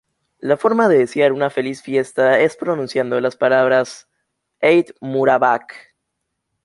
La forma de desear una feliz fiesta es pronunciando las palabras: "¡Eid Mubarak!